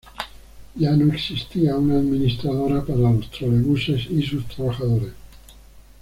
Ya no existía una administradora para los trolebuses y sus trabajadores.